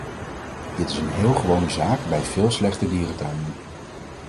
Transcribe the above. Dit is een heel gewone zaak bij veel slechte dierentuinen.